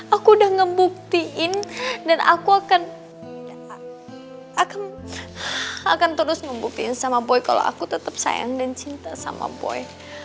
aku udah ngebuktiin dan aku akan aku akan terus membuktiin sama boy kalau aku tetap sayang dan cinta sama boy